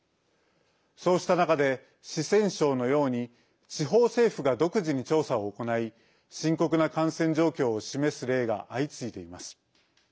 そうした中で、四川省のように地方政府が独自に調査を行い深刻な感染状況を示す例が相次いでいます。